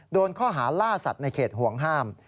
โดนข้อหาล่าสัตว์ในเขตห่วงห้าม